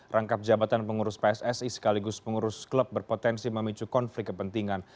rangkap jabatan pengurus pssi sekaligus pengurus klub berpotensi memicu konflik kepentingan